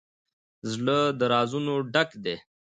زړه د رازونو ډک دی.